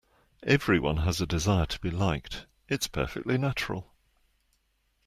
Everyone has a desire to be liked, it's perfectly natural.